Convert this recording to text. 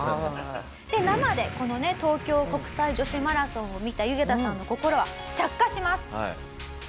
で生でこのね東京国際女子マラソンを見たユゲタさんの心は着火します。